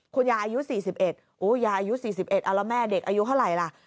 คุณยายอายุ๔๑ยายอายุ๔๑เอาแล้วแม่เด็กอายุเท่าไหร่ล่ะ